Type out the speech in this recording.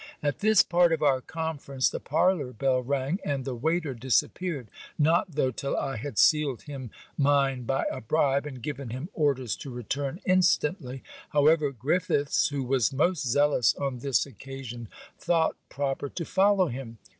At this part of our conference, the parlour bell rang, and the waiter disappeared; not, though, till I had sealed him mine by a bribe, and given him orders to return instantly. However, Griffiths, who was most zealous on this occasion, thought proper to follow him.